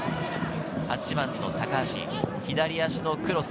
８番の高橋、左足のクロス。